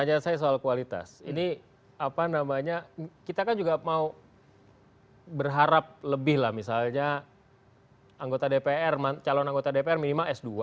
biar saya soal kualitas kita kan juga mau berharap lebih lah misalnya calon anggota dpr minima s dua